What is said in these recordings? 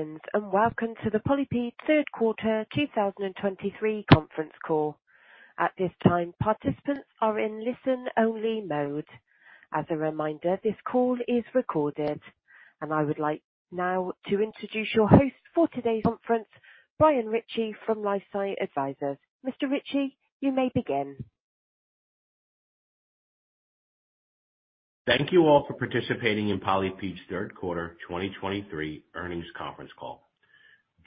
Greetings, and welcome to the PolyPid third quarter 2023 conference call. At this time, participants are in listen-only mode. As a reminder, this call is recorded. I would like now to introduce your host for today's conference, Brian Ritchie, from LifeSci Advisors. Mr. Ritchie, you may begin. Thank you all for participating in PolyPid's third quarter 2023 earnings conference call.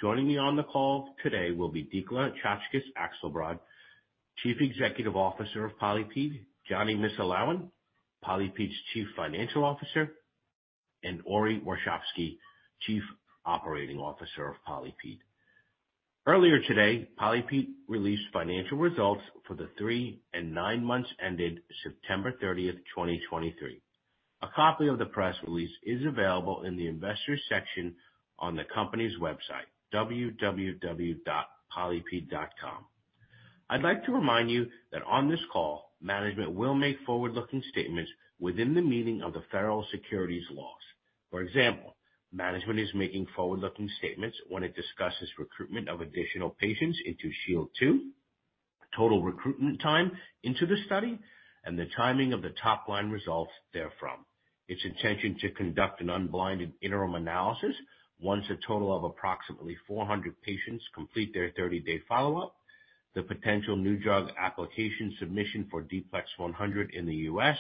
Joining me on the call today will be Dikla Czaczkes Akselbrad, Chief Executive Officer of PolyPid, Jonny Missulawin, PolyPid's Chief Financial Officer, and Ori Warshavsky, Chief Operating Officer of PolyPid. Earlier today, PolyPid released financial results for the three and nine months ended September 30th, 2023. A copy of the press release is available in the Investors section on the company's website, www.polypid.com. I'd like to remind you that on this call, management will make forward-looking statements within the meaning of the federal securities laws. For example, management is making forward-looking statements when it discusses recruitment of additional patients into SHIELD II, total recruitment time into the study, and the timing of the top-line results therefrom. Its intention to conduct an unblinded interim analysis once a total of approximately 400 patients complete their 30-day follow-up, the potential New Drug Application submission for D-PLEX100 in the U.S.,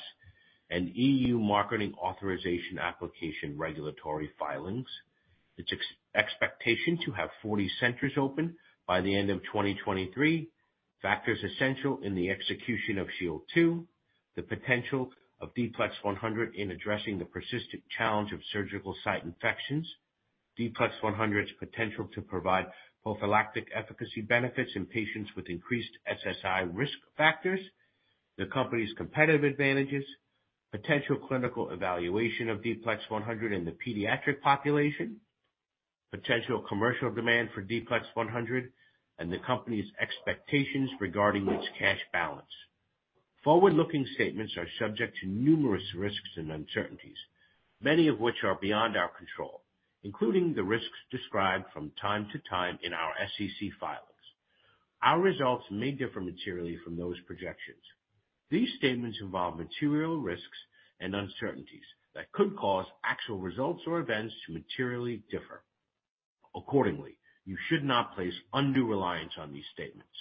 and EU Marketing Authorization Application regulatory filings. Its expectation to have 40 centers open by the end of 2023. Factors essential in the execution of SHIELD II, the potential of D-PLEX100 in addressing the persistent challenge of surgical site infections, D-PLEX100's potential to provide prophylactic efficacy benefits in patients with increased SSI risk factors, the company's competitive advantages, potential clinical evaluation of D-PLEX100 in the pediatric population, potential commercial demand for D-PLEX100, and the company's expectations regarding its cash balance. Forward-looking statements are subject to numerous risks and uncertainties, many of which are beyond our control, including the risks described from time to time in our SEC filings. Our results may differ materially from those projections. These statements involve material risks and uncertainties that could cause actual results or events to materially differ. Accordingly, you should not place undue reliance on these statements.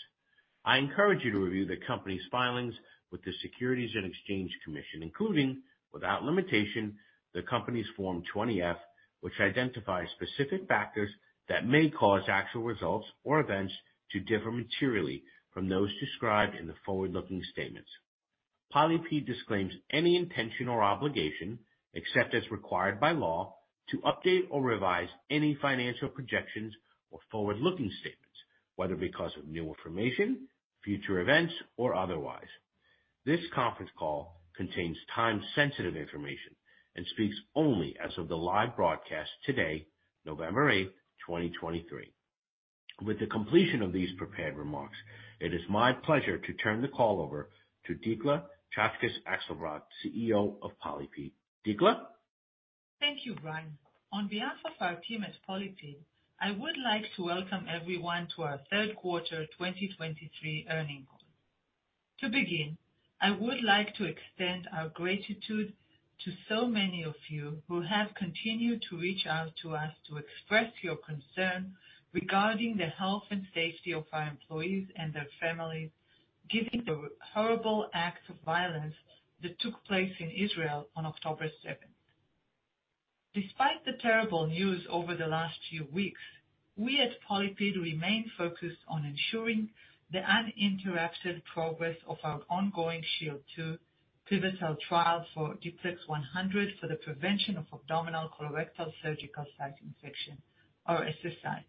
I encourage you to review the company's filings with the Securities and Exchange Commission, including, without limitation, the company's Form 20-F, which identifies specific factors that may cause actual results or events to differ materially from those described in the forward-looking statements. PolyPid disclaims any intention or obligation, except as required by law, to update or revise any financial projections or forward-looking statements, whether because of new information, future events, or otherwise. This conference call contains time-sensitive information and speaks only as of the live broadcast today, November 8, 2023. With the completion of these prepared remarks, it is my pleasure to turn the call over to Dikla Czaczkes Akselbrad, CEO of PolyPid. Dikla? Thank you, Brian. On behalf of our team at PolyPid, I would like to welcome everyone to our third quarter 2023 earnings call. To begin, I would like to extend our gratitude to so many of you who have continued to reach out to us to express your concern regarding the health and safety of our employees and their families, given the horrible acts of violence that took place in Israel on October 7. Despite the terrible news over the last few weeks, we at PolyPid remain focused on ensuring the uninterrupted progress of our ongoing SHIELD II pivotal trial for D-PLEX100 for the prevention of abdominal colorectal surgical site infection, or SSI.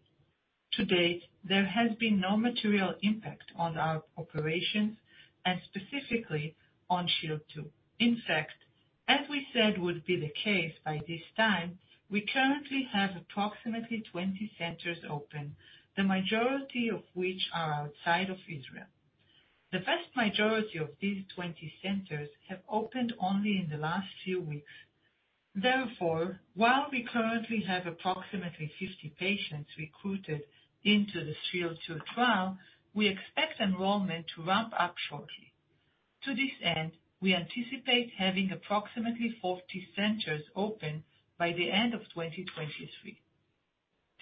To date, there has been no material impact on our operations and specifically on SHIELD II. In fact, as we said would be the case by this time, we currently have approximately 20 centers open, the majority of which are outside of Israel. The vast majority of these 20 centers have opened only in the last few weeks. Therefore, while we currently have approximately 50 patients recruited into the SHIELD II trial, we expect enrollment to ramp up shortly. To this end, we anticipate having approximately 40 centers open by the end of 2023.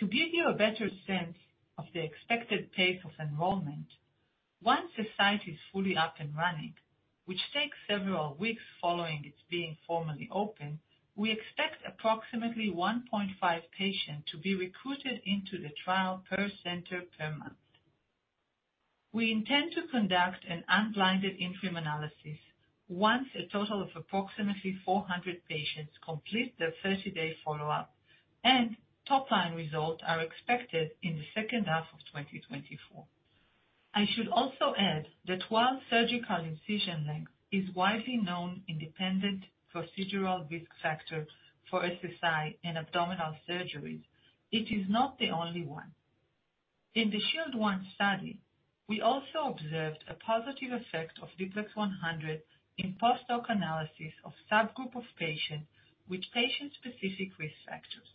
To give you a better sense of the expected pace of enrollment, once the site is fully up and running, which takes several weeks following its being formally open, we expect approximately 1.5 patients to be recruited into the trial per center per month. We intend to conduct an unblinded interim analysis once a total of approximately 400 patients complete their 30-day follow-up, and top-line results are expected in the second half of 2024. I should also add that while surgical incision length is widely known, independent procedural risk factor for SSI and abdominal surgeries, it is not the only one. In the SHIELD I study, we also observed a positive effect of D-PLEX100 in post-hoc analysis of subgroup of patients with patient-specific risk factors,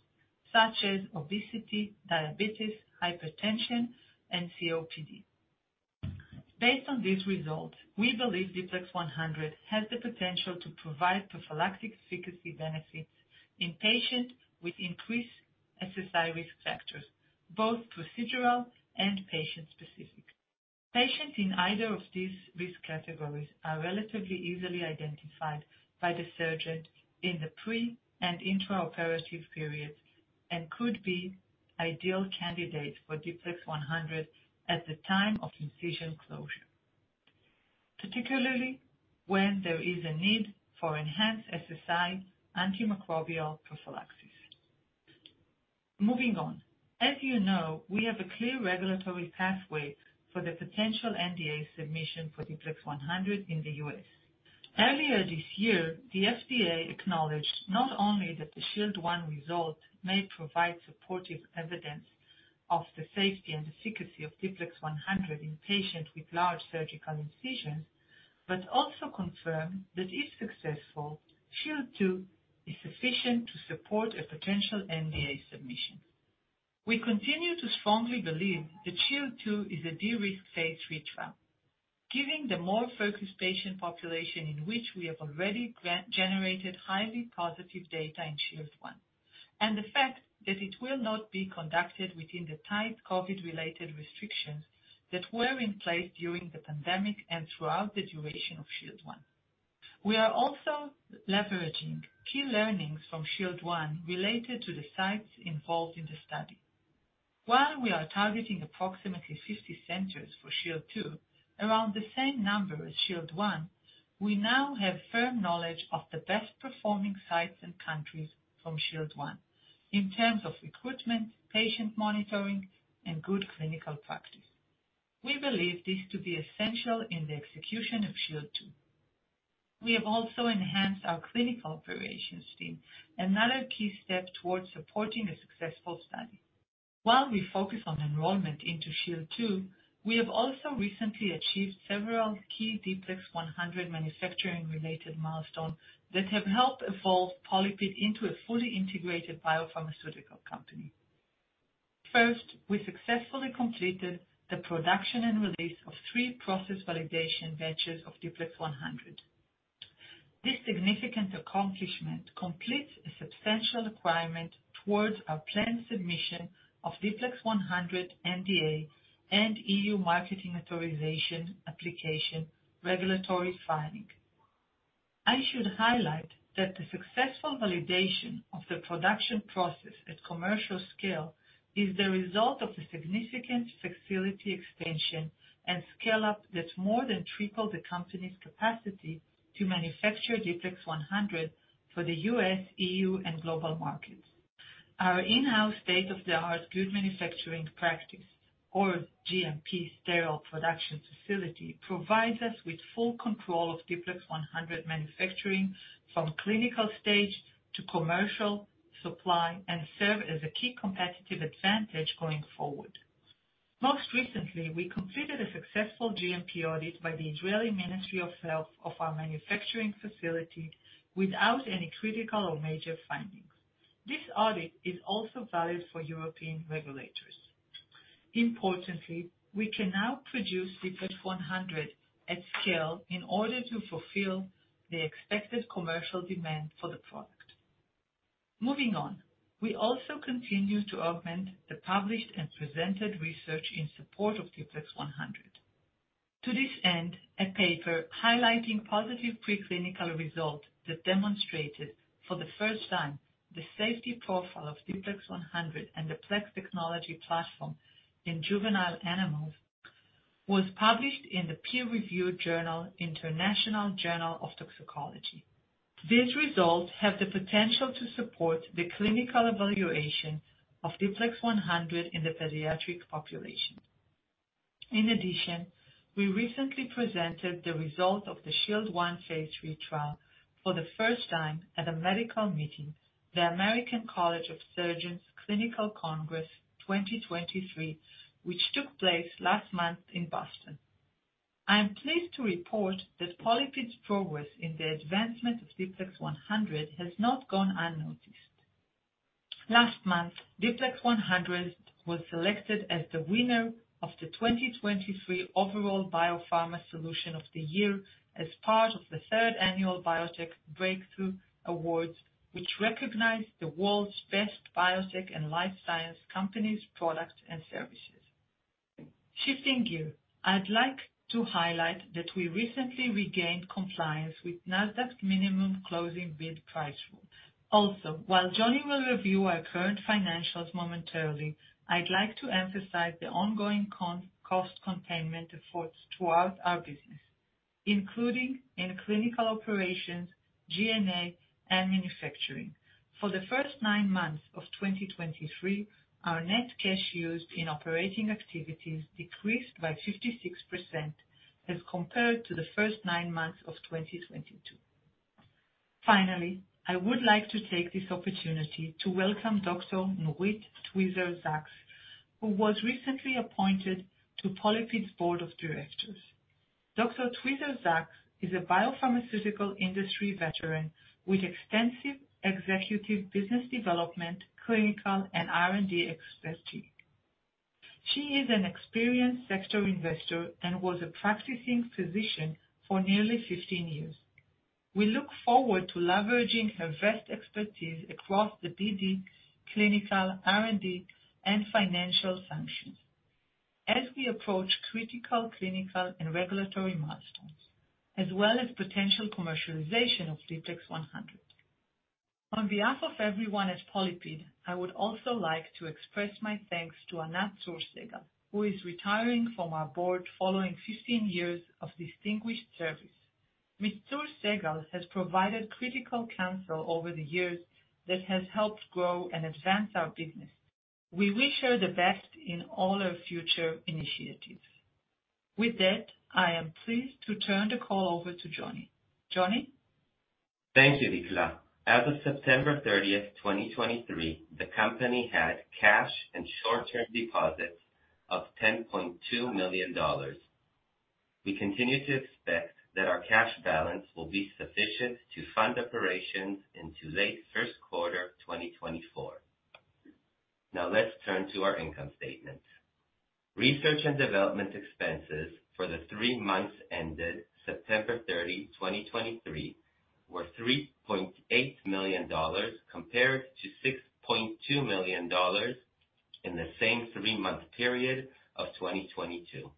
such as obesity, diabetes, hypertension, and COPD. Based on these results, we believe D-PLEX100 has the potential to provide prophylactic efficacy benefits in patients with increased SSI risk factors, both procedural and patient-specific. Patients in either of these risk categories are relatively easily identified by the surgeon in the pre- and intraoperative periods, and could be ideal candidates for D-PLEX100 at the time of incision closure, particularly when there is a need for enhanced SSI antimicrobial prophylaxis. Moving on. As you know, we have a clear regulatory pathway for the potential NDA submission for D-PLEX100 in the U.S. Earlier this year, the FDA acknowledged not only that the SHIELD I result may provide supportive evidence of the safety and efficacy of D-PLEX100 in patients with large surgical incisions. But also confirmed that, if successful, SHIELD II is sufficient to support a potential NDA submission. We continue to strongly believe that SHIELD II is a de-risked phase III trial, given the more focused patient population in which we have already generated highly positive data in SHIELD I, and the fact that it will not be conducted within the tight COVID-related restrictions that were in place during the pandemic and throughout the duration of SHIELD I. We are also leveraging key learnings from SHIELD I related to the sites involved in the study. While we are targeting approximately 50 centers for SHIELD II, around the same number as SHIELD I, we now have firm knowledge of the best performing sites and countries from SHIELD I in terms of recruitment, patient monitoring, and good clinical practice. We believe this to be essential in the execution of SHIELD II. We have also enhanced our clinical operations team, another key step towards supporting a successful study. While we focus on enrollment into SHIELD II, we have also recently achieved several key D-PLEX100 manufacturing-related milestones that have helped evolve PolyPid into a fully integrated biopharmaceutical company. First, we successfully completed the production and release of three process validation batches of D-PLEX100. This significant accomplishment completes a substantial requirement towards our planned submission of D-PLEX100 NDA and EU Marketing Authorization Application regulatory filing. I should highlight that the successful validation of the production process at commercial scale is the result of a significant facility expansion and scale-up that more than tripled the company's capacity to manufacture D-PLEX100 for the U.S., EU, and global markets. Our in-house state-of-the-art Good Manufacturing Practice, or GMP, sterile production facility provides us with full control of D-PLEX100 manufacturing from clinical stage to commercial supply, and serve as a key competitive advantage going forward. Most recently, we completed a successful GMP audit by the Israeli Ministry of Health of our manufacturing facility without any critical or major findings. This audit is also valid for European regulators. Importantly, we can now produce D-PLEX100 at scale in order to fulfill the expected commercial demand for the product. Moving on. We also continue to augment the published and presented research in support of D-PLEX100. To this end, a paper highlighting positive preclinical results that demonstrated for the first time the safety profile of D-PLEX100 and the PLEX technology platform in juvenile animals, was published in the peer-reviewed journal, International Journal of Toxicology. These results have the potential to support the clinical evaluation of D-PLEX100 in the pediatric population. In addition, we recently presented the results of the SHIELD I phase III trial for the first time at a medical meeting, the American College of Surgeons Clinical Congress 2023, which took place last month in Boston. I am pleased to report that PolyPid's progress in the advancement of D-PLEX100 has not gone unnoticed. Last month, D-PLEX100 was selected as the winner of the 2023 Overall BioPharma Solution of the Year as part of the third annual BioTech Breakthrough Awards, which recognized the world's best biotech and life science companies, products, and services. Shifting gear, I'd like to highlight that we recently regained compliance with Nasdaq's minimum closing bid price rule. Also, while Jonny will review our current financials momentarily, I'd like to emphasize the ongoing cost containment efforts throughout our business, including in clinical operations, G&A, and manufacturing. For the first nine months of 2023, our net cash used in operating activities decreased by 56% as compared to the first nine months of 2022. Finally, I would like to take this opportunity to welcome Dr. Nurit Tweezer-Zaks, who was recently appointed to PolyPid's Board of Directors. Dr. Tweezer-Zaks is a biopharmaceutical industry veteran with extensive executive business development, clinical, and R&D expertise. She is an experienced sector investor and was a practicing physician for nearly 15 years. We look forward to leveraging her vast expertise across the BD, clinical, R&D, and financial functions as we approach critical clinical and regulatory milestones, as well as potential commercialization of D-PLEX100. On behalf of everyone at PolyPid, I would also like to express my thanks to Anat Tsour Segal, who is retiring from our Board following 15 years of distinguished service. Ms. Tsour Segal has provided critical counsel over the years that has helped grow and advance our business. We wish her the best in all her future initiatives. With that, I am pleased to turn the call over to Jonny. Jonny? Thank you, Dikla. As of September 30th, 2023, the company had cash and short-term deposits of $10.2 million. We continue to expect that our cash balance will be sufficient to fund operations into late first quarter 2024. Now, let's turn to our income statement. Research and development expenses for the three months ended September 30, 2023, were $3.8 million, compared to $6.2 million in the same three-month period of 2022.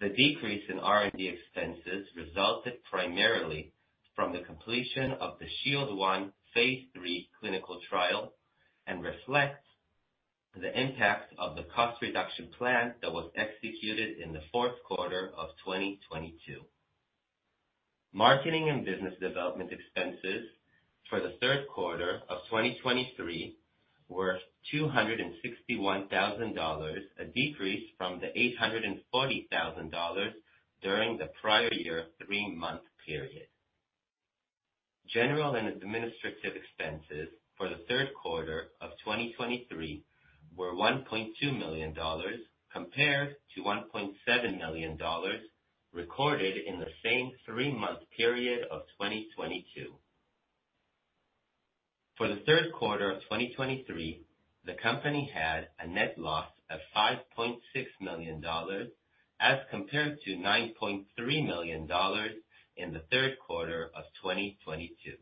The decrease in R&D expenses resulted primarily from the completion of the SHIELD I phase III clinical trial and reflects the impact of the cost reduction plan that was executed in the fourth quarter of 2022. Marketing and business development expenses for the third quarter of 2023 were $261,000, a decrease from the $840,000 during the prior year three-month period. General and administrative expenses for the third quarter of 2023 were $1.2 million, compared to $1.7 million recorded in the same three-month period of 2022. For the third quarter of 2023, the company had a net loss of $5.6 million, as compared to $9.3 million in the third quarter of 2022.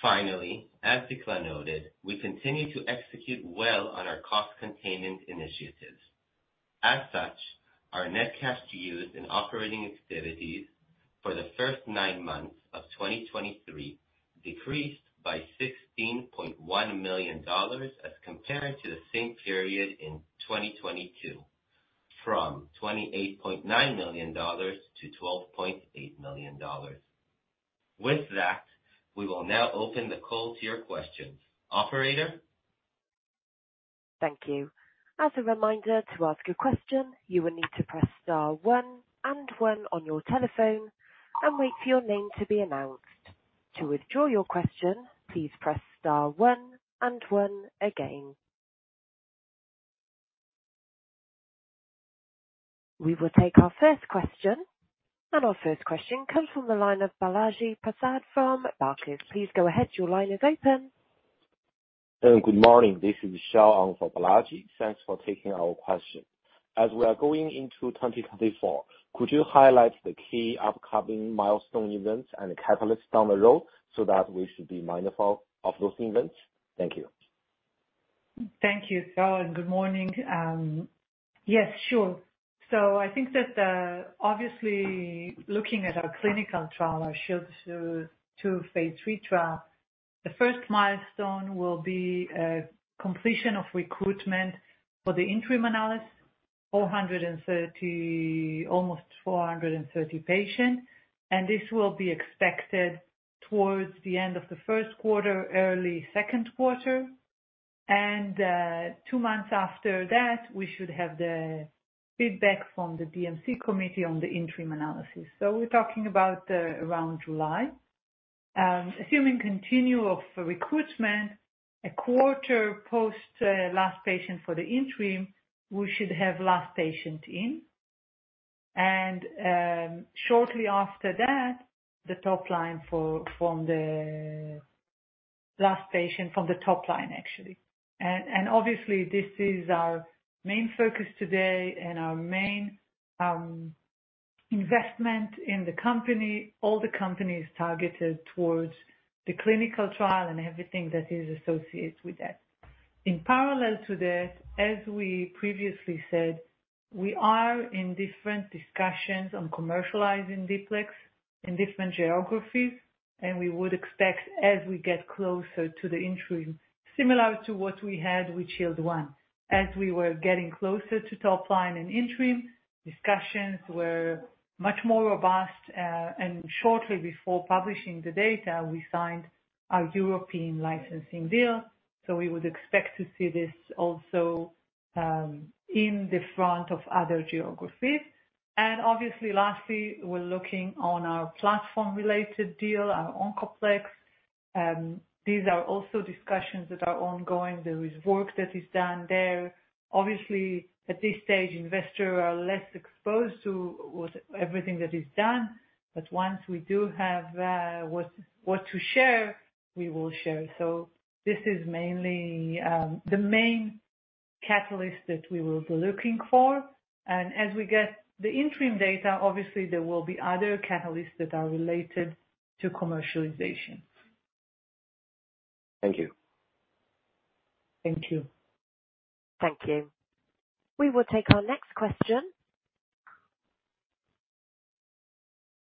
Finally, as Dikla noted, we continue to execute well on our cost containment initiatives. As such, our net cash used in operating activities for the first nine months of 2023 decreased by $16.1 million, as compared to the same period in 2022 from $28.9 million to $12.8 million. With that, we will now open the call to your questions. Operator? Thank you. As a reminder, to ask a question, you will need to press star one and one on your telephone and wait for your name to be announced. To withdraw your question, please press star one and one again. We will take our first question, and our first question comes from the line of Balaji Prasad from Barclays. Please go ahead. Your line is open. Good morning. This is [Shao] on for Balaji. Thanks for taking our question. As we are going into 2024, could you highlight the key upcoming milestone events and catalysts down the road so that we should be mindful of those events? Thank you. Thank you, [Shao], and good morning. Yes, sure. So I think that, obviously, looking at our clinical trial, our SHIELD II phase III trial, the first milestone will be, completion of recruitment for the interim analysis, 430, almost 430 patients, and this will be expected towards the end of the first quarter, early second quarter. And, two months after that, we should have the feedback from the DMC committee on the interim analysis. So we're talking about around July. Assuming continue of recruitment, a quarter post, last patient for the interim, we should have last patient in. And, shortly after that, the top line for from the last patient, from the top line, actually. And obviously, this is our main focus today and our main investment in the company. All the company is targeted towards the clinical trial and everything that is associated with that. In parallel to that, as we previously said, we are in different discussions on commercializing D-PLEX in different geographies, and we would expect as we get closer to the interim, similar to what we had with SHIELD I. As we were getting closer to top line and interim, discussions were much more robust. And shortly before publishing the data, we signed our European licensing deal. So, we would expect to see this also in the front of other geographies. And obviously, lastly, we're looking on our platform-related deal. Our OncoPLEX. These are also discussions that are ongoing. There is work that is done there. Obviously, at this stage, investors are less exposed to what everything that is done, but once we do have, what to share, we will share. So this is mainly, the main catalyst that we will be looking for. And as we get the interim data, obviously, there will be other catalysts that are related to commercialization. Thank you. Thank you. Thank you. We will take our next question.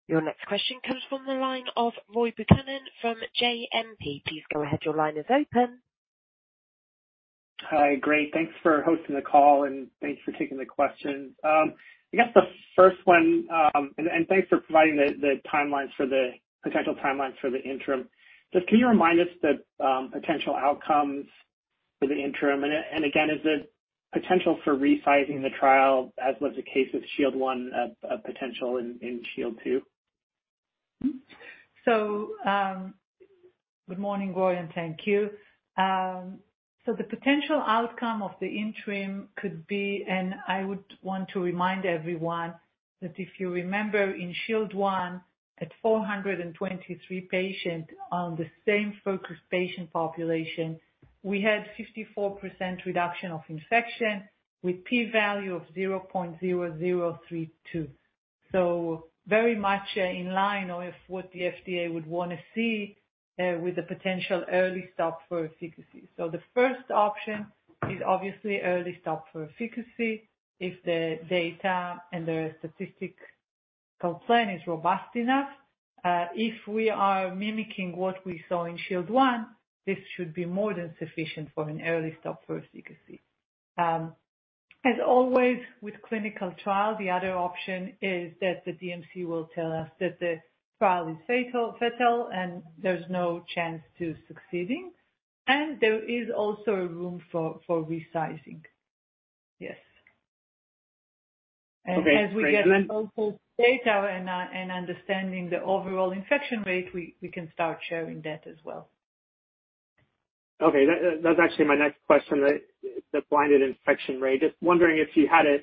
Your next question comes from the line of Roy Buchanan from JMP. Please go ahead. Your line is open. Hi, great. Thanks for hosting the call, and thanks for taking the questions. I guess the first one, and thanks for providing the timelines for the potential timelines for the interim. Just can you remind us the potential outcomes for the interim? And again, is the potential for resizing the trial, as was the case with SHIELD I, a potential in SHIELD II? So, good morning, Roy, and thank you. So the potential outcome of the interim could be, and I would want to remind everyone that if you remember in SHIELD I at 423 patients on the same focused patient population, we had 54% reduction of infection with p-value of 0.0032. So very much, in line with what the FDA would want to see, with the potential early stop for efficacy. So the first option is obviously early stop for efficacy, if the data and the statistical compliance is robust enough. If we are mimicking what we saw in SHIELD I, this should be more than sufficient for an early stop for efficacy. As always, with clinical trial, the other option is that the DMC will tell us that the trial is fatal. And there's no chance to succeeding, and there is also room for resizing. Yes. Okay, great. As we get also data and understanding the overall infection rate, we can start sharing that as well. Okay, that, that's actually my next question, the, the blinded infection rate. Just wondering if you had a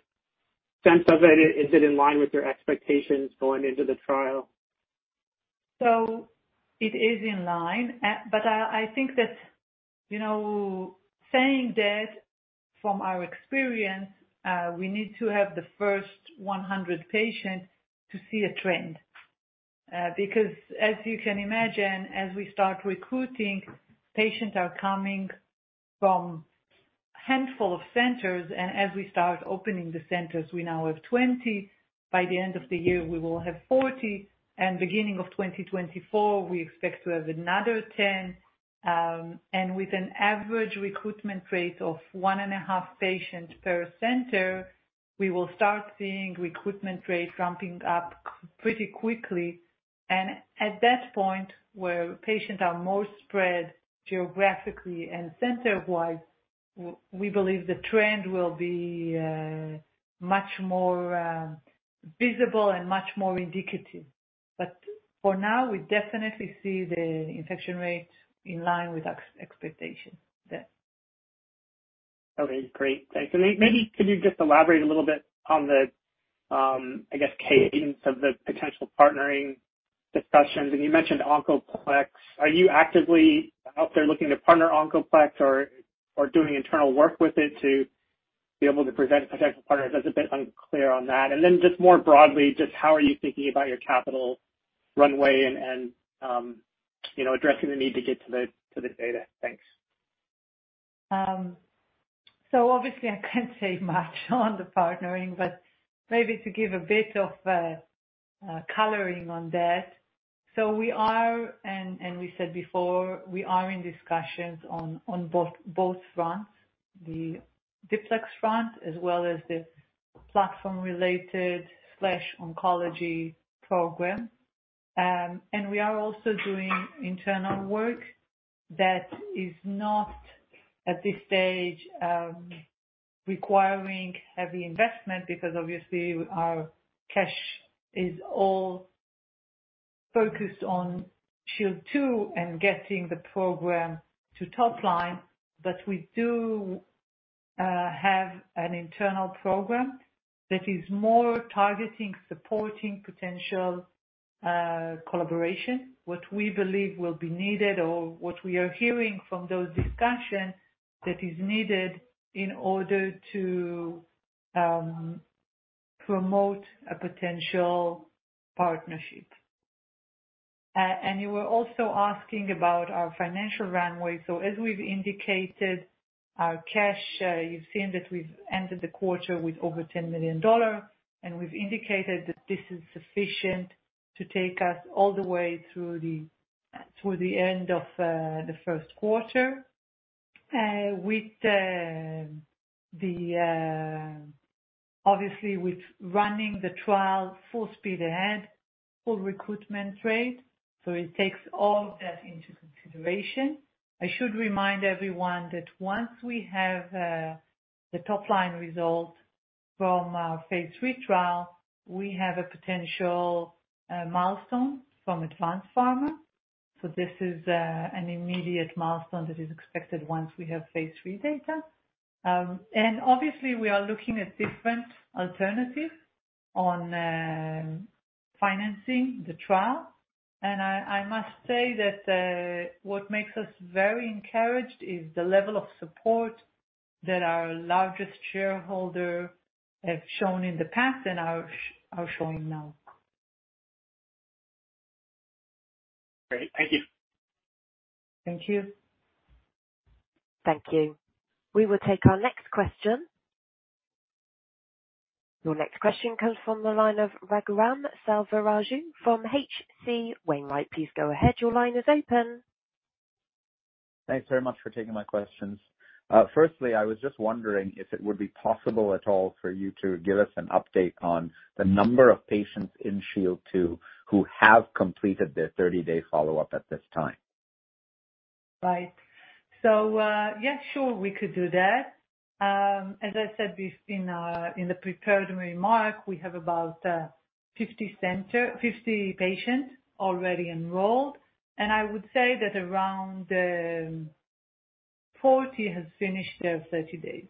sense of it. Is it in line with your expectations going into the trial? So it is in line. But I, I think that, you know, saying that from our experience, we need to have the first 100 patients to see a trend. Because as you can imagine, as we start recruiting, patients are coming from handful of centers, and as we start opening the centers, we now have 20. By the end of the year, we will have 40, and beginning of 2024, we expect to have another 10. And with an average recruitment rate of 1.5 patients per center, we will start seeing recruitment rates ramping up pretty quickly. And at that point, where patients are more spread geographically and center-wise, we believe the trend will be, much more, visible and much more indicative. But for now, we definitely see the infection rate in line with expectations. Yeah. Okay, great. Thanks. And maybe could you just elaborate a little bit on the, I guess, cadence of the potential partnering discussions? And you mentioned OncoPLEX. Are you actively out there looking to partner OncoPLEX or doing internal work with it to be able to present potential partners? I was a bit unclear on that. And then just more broadly, just how are you thinking about your capital runway and, you know, addressing the need to get to the data? Thanks. So obviously I can't say much on the partnering, but maybe to give a bit of coloring on that. So we are, and we said before, we are in discussions on both fronts, the D-PLEX front as well as the platform-related oncology program. And we are also doing internal work that is not, at this stage, requiring heavy investment, because obviously our cash is all focused on SHIELD II and getting the program to top line. But we do have an internal program that is more targeting, supporting potential collaboration, what we believe will be needed or what we are hearing from those discussions, that is needed in order to promote a potential partnership. And you were also asking about our financial runway. So as we've indicated, our cash, you've seen that we've ended the quarter with over $10 million, and we've indicated that this is sufficient to take us all the way through the end of the first quarter. With, obviously, running the trial at full recruitment rate, so it takes all of that into consideration. I should remind everyone that once we have the top line results from our phase III trial, we have a potential milestone from ADVANZ PHARMA. So this is an immediate milestone that is expected once we have phase III data. And obviously, we are looking at different alternatives on financing the trial. I must say that what makes us very encouraged is the level of support that our largest shareholder has shown in the past and are showing now. Great. Thank you. Thank you. Thank you. We will take our next question. Your next question comes from the line of Raghuram Selvaraju from H.C. Wainwright. Please go ahead. Your line is open. Thanks very much for taking my questions. Firstly, I was just wondering if it would be possible at all for you to give us an update on the number of patients in SHIELD II, who have completed their 30-day follow-up at this time? Right. So, yeah, sure, we could do that. As I said, we've seen, in the prepared remark, we have about 50 patients already enrolled, and I would say that around 40 has finished their 30 days.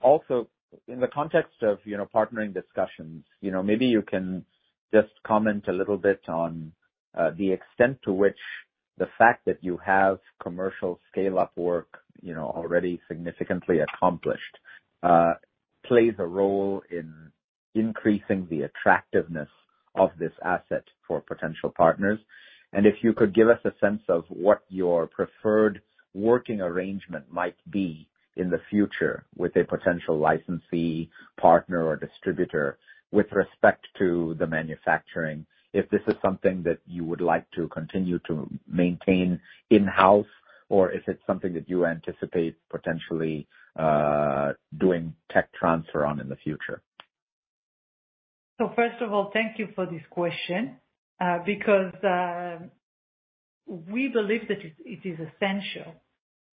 Also in the context of, you know, partnering discussions, you know, maybe you can just comment a little bit on the extent to which the fact that you have commercial scale-up work, you know, already significantly accomplished plays a role in increasing the attractiveness of this asset for potential partners. If you could give us a sense of what your preferred working arrangement might be in the future with a potential licensee, partner, or distributor with respect to the manufacturing, if this is something that you would like to continue to maintain in-house, or if it's something that you anticipate potentially doing tech transfer on in the future. So first of all, thank you for this question, because we believe that it, it is essential.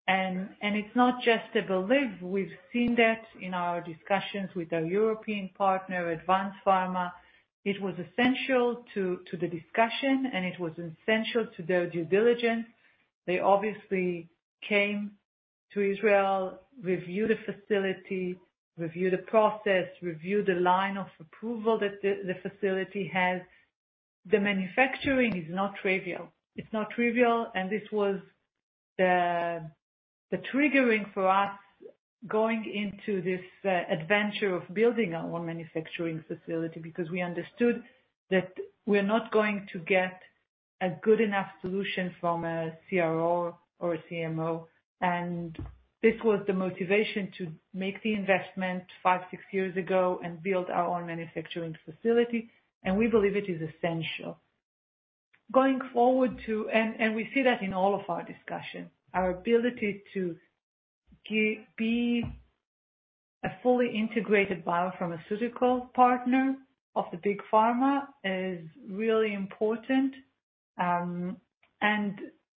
And it's not just a belief, we've seen that in our discussions with our European partner, ADVANZ PHARMA. It was essential to the discussion, and it was essential to their due diligence. They obviously came to Israel, reviewed the facility, reviewed the process, reviewed the line of approval that the facility has. The manufacturing is not trivial. It's not trivial, and this was the triggering for us going into this adventure of building our own manufacturing facility, because we understood that we're not going to get a good enough solution from a CRO or a CMO. And this was the motivation to make the investment five, six years ago and build our own manufacturing facility. We believe it is essential. Going forward to... We see that in all of our discussions, our ability to be a fully integrated biopharmaceutical partner of the big pharma is really important. And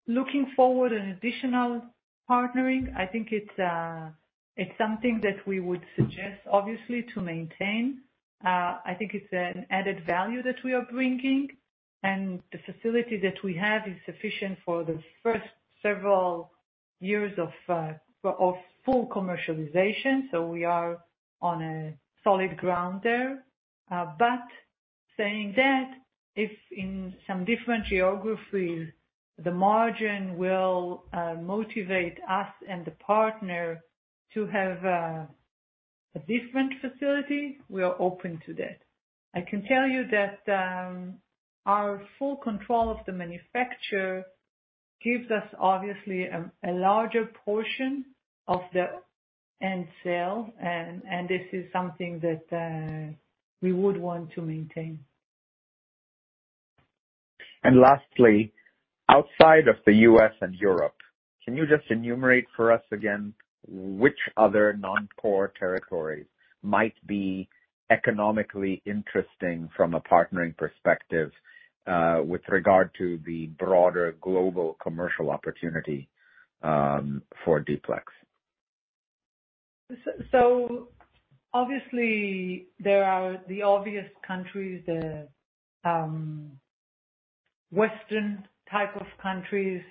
looking forward an additional partnering, I think it's something that we would suggest, obviously, to maintain. I think it's an added value that we are bringing, and the facility that we have is sufficient for the first several years of full commercialization, so we are on a solid ground there. But saying that, if in some different geographies, the margin will motivate us and the partner to have a different facility, we are open to that. I can tell you that our full control of the manufacture gives us obviously a larger portion of the end sale, and this is something that we would want to maintain. And lastly, outside of the U.S. and Europe. Can you just enumerate for us again, which other non-core territories might be economically interesting from a partnering perspective, with regard to the broader global commercial opportunity for D-PLEX? So obviously, there are the obvious countries. The Western type of countries: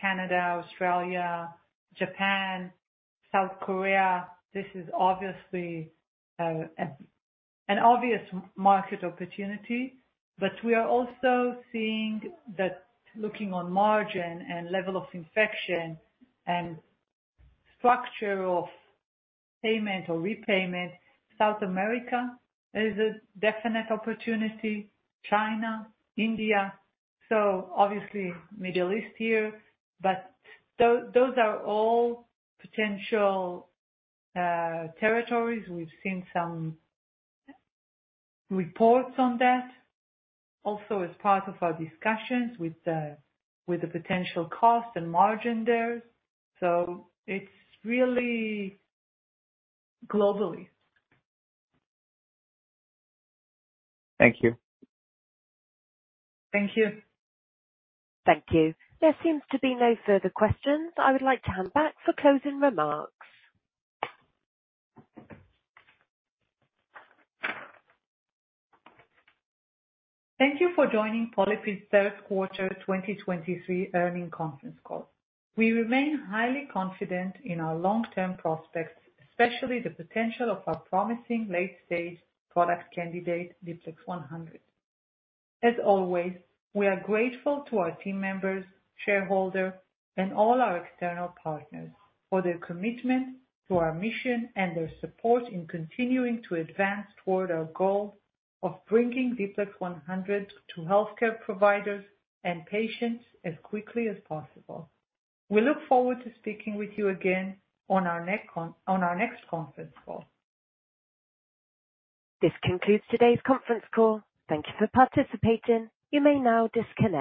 Canada, Australia, Japan, South Korea. This is obviously an obvious market opportunity. But we are also seeing that looking on margin and level of infection and structure of payment or repayment. South America is a definite opportunity, China, India, so obviously Middle East here. But those are all potential territories. We've seen some reports on that, also as part of our discussions with the potential cost and margin there. So it's really globally. Thank you. Thank you. Thank you. There seems to be no further questions. I would like to hand back for closing remarks. Thank you for joining PolyPid's third quarter 2023 earnings conference call. We remain highly confident in our long-term prospects, especially the potential of our promising late-stage product candidate, D-PLEX100. As always, we are grateful to our team members, shareholders, and all our external partners for their commitment to our mission and their support in continuing to advance toward our goal of bringing D-PLEX100 to healthcare providers and patients as quickly as possible. We look forward to speaking with you again on our next conference call. This concludes today's conference call. Thank you for participating. You may now disconnect.